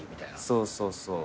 そうそうそう。